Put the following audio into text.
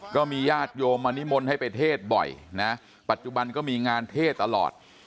ก็มีญาติโยมมานิมนต์ให้ไปเทศบ่อยนะปัจจุบันก็มีงานเทศตลอด